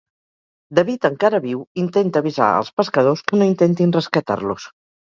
David, encara viu, intenta avisar als pescadors que no intentin rescatar-los.